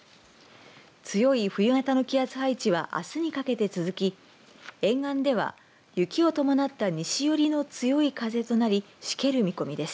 強い冬型の気圧配置はあすにかけて続き沿岸では雪を伴った西よりの強い風となりしける見込みです。